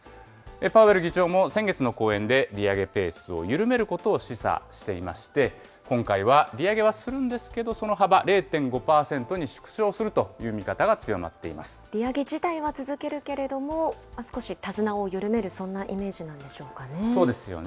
パウエル議長も、先月の講演で、利上げペースを緩めることを示唆していまして、今回は利上げはするんですけど、その幅、０．５％に縮小するという見方が強まって利上げ自体は続けるけれども、少し手綱を緩める、そんなイメージなんでしょうかね。